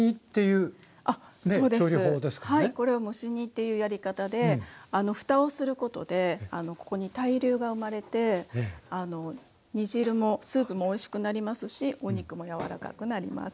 これは蒸し煮っていうやり方で蓋をすることでここに対流が生まれて煮汁もスープもおいしくなりますしお肉もやわらかくなります。